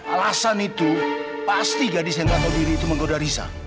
alasan itu pasti gadis yang kata diri itu menggoda risa